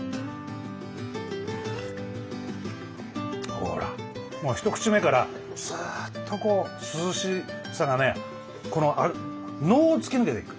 ほらもう一口目からすっとこう涼しさがね脳を突き抜けていく。